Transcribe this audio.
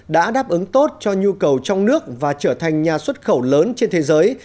đã đáp ứng tốt cho nhu cầu trong nước và trở thành nhà xuất khẩu lớn trên thế giới